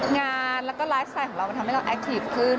งานแล้วก็ไลฟ์สไตล์ของเราก็ทำให้เราแอคทีฟขึ้น